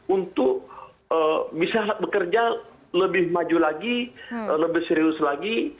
untuk bisa bekerja lebih maju lagi lebih serius lagi